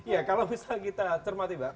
ya kalau misal kita cermati mbak